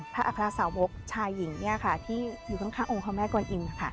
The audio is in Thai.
อัครสาวกชายหญิงที่อยู่ข้างองค์พระแม่กวนอิง